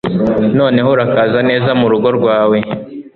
Noneho urakaza neza murugo rwawe